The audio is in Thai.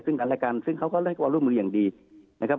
ซึ่งกันและกันซึ่งเขาก็ให้ความร่วมมืออย่างดีนะครับ